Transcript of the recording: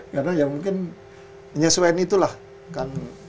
karena ya mungkin penyesuaian itulah kan